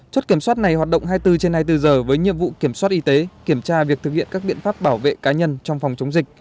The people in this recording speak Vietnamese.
chốt kiểm soát này hoạt động hai mươi bốn trên hai mươi bốn giờ với nhiệm vụ kiểm soát y tế kiểm tra việc thực hiện các biện pháp bảo vệ cá nhân trong phòng chống dịch